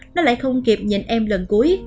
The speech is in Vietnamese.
nó lại không kịp nhìn em lần cuối